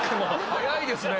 早いですね。